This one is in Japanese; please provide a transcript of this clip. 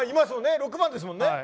６番ですもんね。